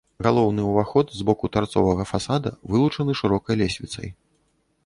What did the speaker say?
Галоўны ўваход з боку тарцовага фасада вылучаны шырокай лесвіцай.